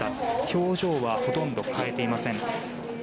表情はほとんど変えていません。